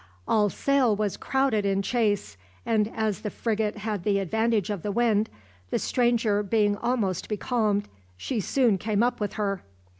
All sail was crowded in chase, and as the frigate had the advantage of the wind, the stranger being almost becalmed, she soon came up with her.